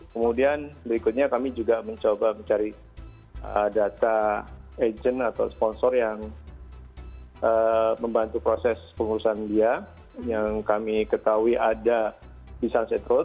kemudian berikutnya kami juga mencoba mencari data agent atau sponsor yang membantu proses pengurusan dia yang kami ketahui ada di sunset road